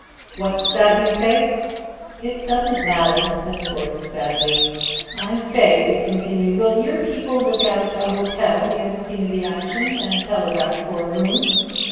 "What's that you say?" "It doesn't matter," said the voice sadly. "I say," it continued, "will your people look out a hotel near the scene of action, and telegraph for a room?"